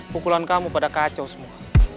pukulan kamu pada kacau semua